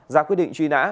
giả quyết định truy nã